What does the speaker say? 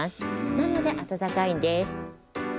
なのであたたかいんです。